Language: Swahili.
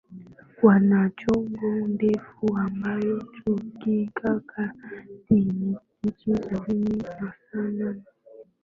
Wana shingo ndefu ambayo hufika hadi inchi sabini na nane hadi Kwenye mti